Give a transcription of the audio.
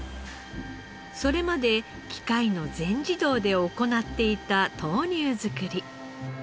それまで機械の全自動で行っていた豆乳作り。